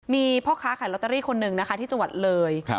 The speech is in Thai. มีพ่อค้าขายลอตเตอรี่คนหนึ่งนะคะที่จังหวัดเลย